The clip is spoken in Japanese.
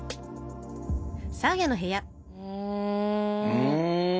うん。